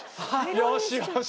よしよし。